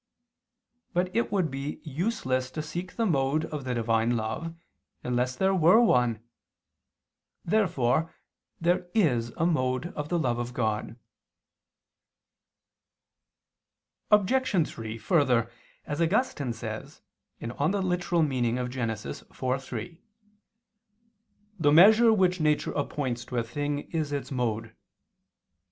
But it would be useless to seek the mode of the Divine love, unless there were one. Therefore there is a mode of the love of God. Obj. 3: Further, as Augustine says (Gen. ad lit. iv, 3), "the measure which nature appoints to a thing, is its mode."